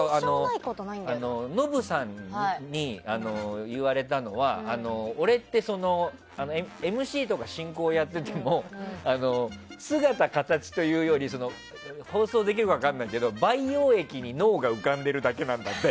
ノブさんに言われたのは俺ってＭＣとか進行をやっていても姿かたちというより放送できるか分からないけど培養液に脳が浮かんでいるだけなんだって。